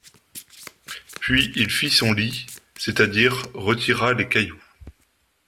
Puis il fit son lit, c’est-à-dire retira les cailloux.